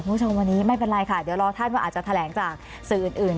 คุณผู้ชมวันนี้ไม่เป็นไรค่ะเดี๋ยวรอท่านว่าอาจจะแถลงจากสื่ออื่น